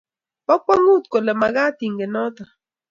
Bo kwangut kole magat ingen noto